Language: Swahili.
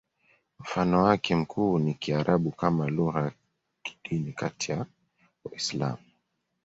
Mfano wake mkuu ni Kiarabu kama lugha ya kidini kati ya Waislamu.